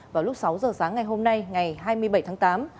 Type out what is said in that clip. vào lúc sáu giờ sáng ngày hôm nay ngày hai mươi bảy tháng tám